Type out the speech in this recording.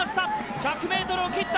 １００ｍを切った！